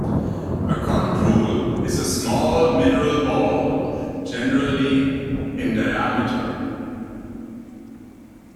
A chondrule is a small mineral ball generally in diameter.